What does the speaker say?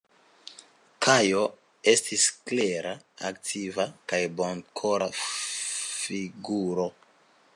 Kajo estis klera, aktiva kaj bonkora figuro.